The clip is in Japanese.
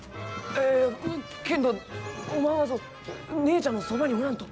けんどおまんは姉ちゃんのそばに、おらんと！